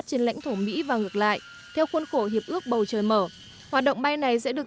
trên lãnh thổ mỹ và ngược lại theo khuôn khổ hiệp ước bầu trời mở hoạt động bay này sẽ được